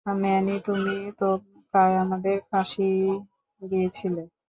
Many, তুমি তো প্রায় আমাদের ফাঁসিয়েই দিয়েছিলে।